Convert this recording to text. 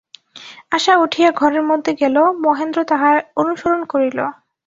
আশা উঠিয়া ঘরের মধ্যে গেল–মহেন্দ্র তাহার অনুসরণ করিল।